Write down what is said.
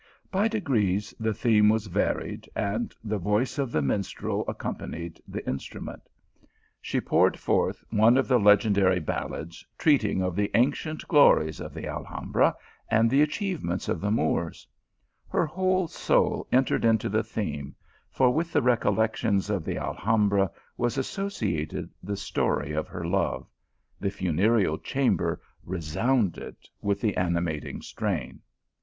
By degrees the theme was varied, and the voice of the minstrel ac companied the instrument. She poured forth one of the legendary ballads treating of the ancient glo ries of the Alhambra. and the achievements of th< Moors. Her whole soul entered into the theme, for with the recollections of the Alhambra was associ ated the story of her love ; the funereal chamber re sounded with the animating strain.